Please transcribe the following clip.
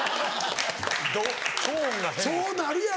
そうなるやろ？